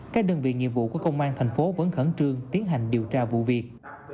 các đơn vị nhiệm vụ của công an tp hcm vẫn khẩn trương tiến hành điều tra vụ việc